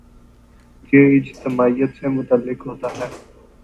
یہ اجتماعیت سے متعلق ہوتا ہے۔